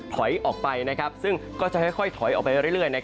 ตอนนี้อยู่ในช่วงถอยออกไปซึ่งก็ค่อยถอยออกไปเรื่อย